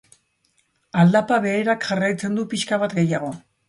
Aldapa beherak jarraitzen du pixka bat gehiago.